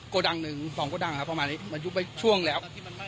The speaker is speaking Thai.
โกดังหนึ่งสองโกดังครับประมาณนี้มันยุบไปช่วงแล้ว